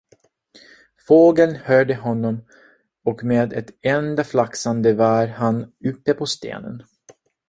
Fågeln hörde honom, och med ett enda flaxande var han uppe på stenen.